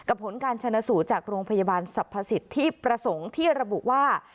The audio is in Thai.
กับผลการชนะสู่จากโรงพยาบาลทรัพธิสิทธิ์ที่ประสงค์ที่ระบุว่า